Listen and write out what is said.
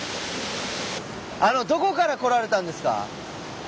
あのどこから来られたんですか？